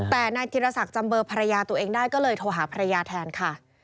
แต่นายธิรศักดิ์จำเบอร์ภรรยาตัวเองได้ก็เลยโทรหาภรรยาแทนค่ะ